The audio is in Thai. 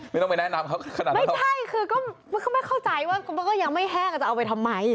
ไม่ต้องไปแนะนำเขาขนาดนั้นหรอกใช่คือก็ไม่เข้าใจว่ามันก็ยังไม่แห้งจะเอาไปทำไม